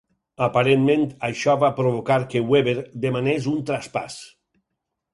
Aparentment, això va provocar que Webber demanés un traspàs.